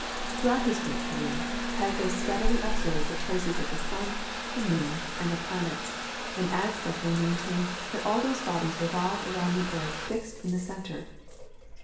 Throughout his great career, Tycho steadily observed the places of the sun, the moon, and the planets, and as steadily maintained that all those bodies revolved around the earth fixed in the centre.